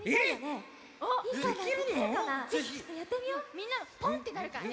みんなも「ポン」ってなるからね